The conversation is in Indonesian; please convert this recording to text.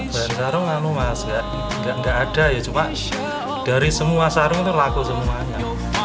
bahan sarung lalu mas nggak ada ya cuma dari semua sarung itu laku semuanya